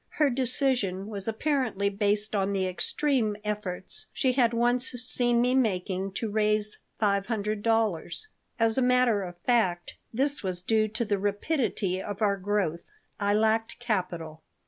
Her decision was apparently based on the extreme efforts she had once seen me making to raise five hundred dollars. As a matter of fact, this was due to the rapidity of our growth. I lacked capital.